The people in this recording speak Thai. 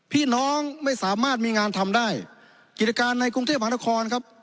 พี่น้องไม่สามารถมีงานทำได้กิจการในกรุงเทพหานครครับ